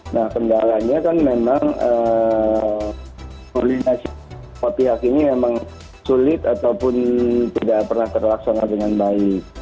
nah kendalanya kan memang koordinasi ini memang sulit ataupun tidak pernah terlaksana dengan baik